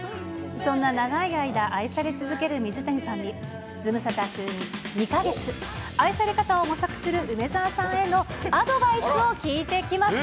そんな長い間、愛され続ける水谷さんに、ズムサタ就任２か月、愛され方を模索する梅澤さんへのアドバイスを聞いてきました。